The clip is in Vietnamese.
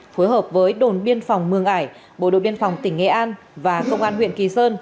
phối hợp với đồn biên phòng mường ải bộ đội biên phòng tỉnh nghệ an và công an huyện kỳ sơn